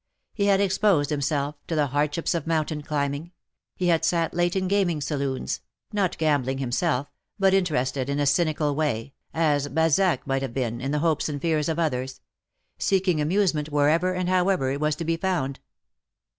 He had exposed him self to the hardships of mountain climbing — he had sat late in gaming saloons — not gambling himself, but interested in a cynical way, as Balzac might have been, in the hopes and fears of others — seek ing amusement wherever and however it was to be found.